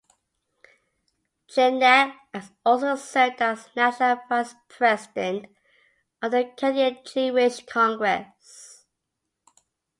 Cherniack has also served as national vice-president of the Canadian Jewish Congress.